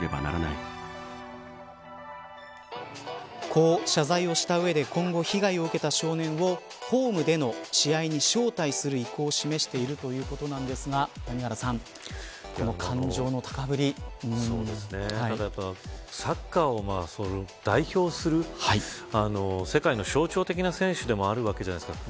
こう謝罪をした上で今後、被害を受けた少年をホームでの試合に招待する意向を示しているということなんですがサッカーを代表する世界の象徴的な選手でもあるわけじゃないですか。